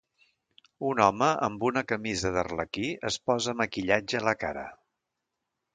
Un home amb una camisa d'arlequí es posa maquillatge a la cara.